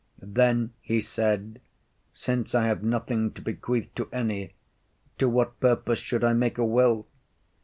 Then he said, Since I have nothing to bequeath to any, to what purpose should I make a will?